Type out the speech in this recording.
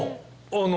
あの？